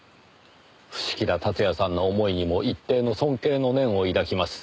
伏木田辰也さんの思いにも一定の尊敬の念を抱きます。